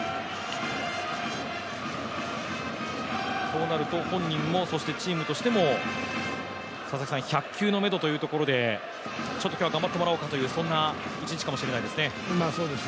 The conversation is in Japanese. そうなると本人も、チームとしても１００球をめどということでちょっと今日は頑張ってもらおうかという一日かもしれないですね。